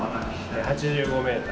８５ｍ。